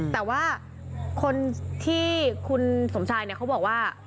แต่ว่าคนที่คุณสมชายเนี่ยเขาบอกว่า